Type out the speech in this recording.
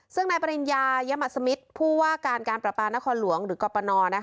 ซึ่งนายปริญญายมัสมิตรผู้ว่าการการประปานครหลวงหรือกรปน